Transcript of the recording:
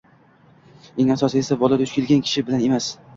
Eng asosiysi, bola duch kelgan kishi bilan emas